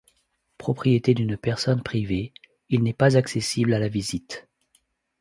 Propriété d'une personne privée, il n'est pas accessible à la visite.